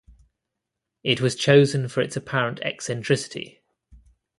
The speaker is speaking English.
It was chosen for its apparent eccentricity.